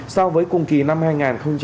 so với cùng kỳ năm trước